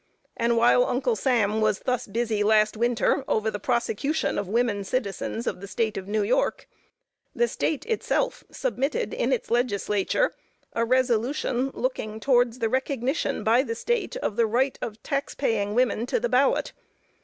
And while Uncle Sam was thus busy last winter over the prosecution of women citizens of the State of New York, the State itself submitted in its Legislature, a resolution looking towards the recognition by the State of the right of tax paying women to the ballot.